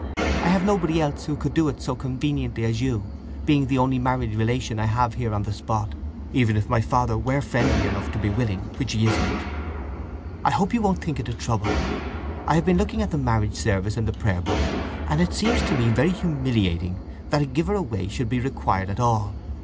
I have nobody else who could do it so conveniently as you, being the only married relation I have here on the spot, even if my father were friendly enough to be willing, which he isn't. I hope you won't think it a trouble? I have been looking at the marriage service in the prayer book, and it seems to me very humiliating that a giver away should be required at all.